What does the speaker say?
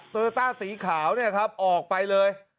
โยต้าสีขาวเนี่ยครับออกไปเลย